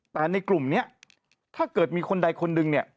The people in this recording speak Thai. แต่ในกลุ่มนี้ถ้าเกิดมีคนใดคนหนึ่งเนี่ย